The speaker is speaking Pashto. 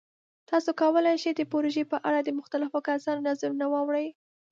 تاسو کولی شئ د پروژې په اړه د مختلفو کسانو نظرونه واورئ.